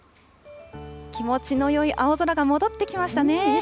気持ちのよい青空が戻ってきましたね。